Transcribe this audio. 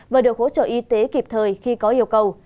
và được hỗ trợ y tế kịp thời khi có yêu cầu